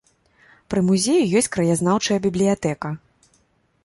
Пры музеі ёсць краязнаўчая бібліятэка.